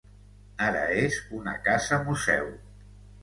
Ara és una casa museu.